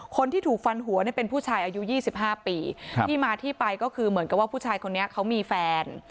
คนที่ถูกฟันหัวเนี่ยเป็นผู้ชายอายุ๒๕ปีที่มาที่ไปก็คือเหมือนกับว่าผู้ชายคนนี้เขามีแฟน